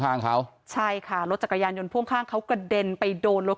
ข้างเขาใช่ค่ะรถจักรยานยนต์พ่วงข้างเขากระเด็นไปโดนรถ